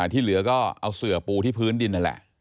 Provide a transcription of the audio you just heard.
ที่เหลือก็เอาเสือปูที่พื้นดินนั่นแหละ